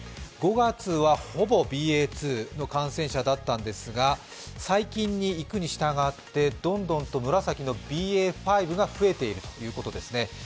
５月はほぼＢＡ．２の患者だったんですが最近にいくにしたがって、どんどんと紫のＢＡ．５が増えているということですね。